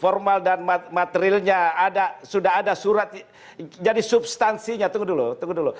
formal dan materialnya ada sudah ada surat jadi substansinya tunggu dulu tunggu dulu